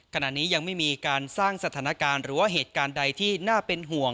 ขณะนี้ยังไม่มีการสร้างสถานการณ์หรือว่าเหตุการณ์ใดที่น่าเป็นห่วง